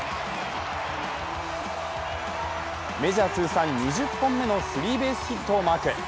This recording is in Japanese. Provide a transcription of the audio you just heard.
メジャー通算２０本目のスリーベースヒットをマーク。